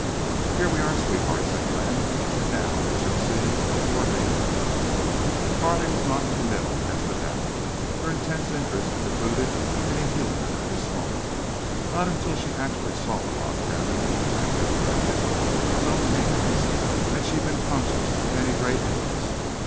"Here we are, sweetheart," said Glenn. "Now we shall see what you are made of." Carley was non committal as to that. Her intense interest precluded any humor at this moment. Not until she actually saw the log cabin Glenn had erected with his own hands had she been conscious of any great interest.